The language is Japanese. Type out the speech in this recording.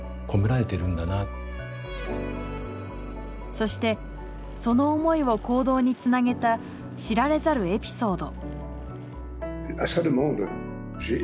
そしてその思いを行動につなげた知られざるエピソード。